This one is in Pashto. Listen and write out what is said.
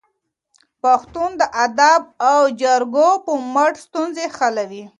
پښتون د ادب او جرګو په مټ ستونزې حلوي.